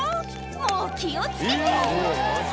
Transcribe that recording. もう気を付けて！